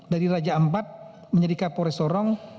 dari raja ampat menjadi kapolres sorong